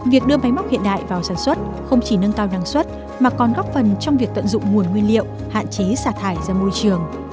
việc đưa máy móc hiện đại vào sản xuất không chỉ nâng cao năng suất mà còn góp phần trong việc tận dụng nguồn nguyên liệu hạn chế xả thải ra môi trường